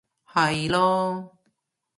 係囉